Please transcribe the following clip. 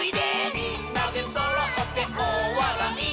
「みんなでそろっておおわらい」